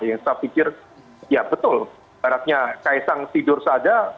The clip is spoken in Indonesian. saya pikir ya betul barangnya kaisang tidur saja